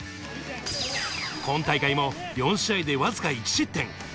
今大会も４試合でわずか１失点。